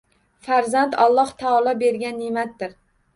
Farzand Alloh taolo bergan ne’matdir.